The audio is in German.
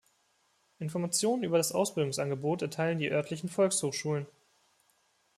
Informationen über das Ausbildungsangebot erteilen die örtlichen Volkshochschulen.